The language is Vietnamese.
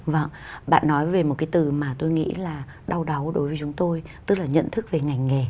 vâng bạn nói về một cái từ mà tôi nghĩ là đau đáu đối với chúng tôi tức là nhận thức về ngành nghề